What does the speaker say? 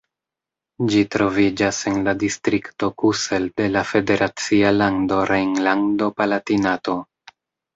Ĝi troviĝas en la distrikto Kusel de la federacia lando Rejnlando-Palatinato.